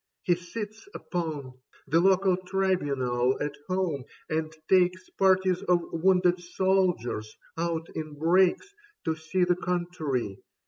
He sits upon The local Tribunal at home, and takes Parties of wounded soldiers out in brakes To see the country.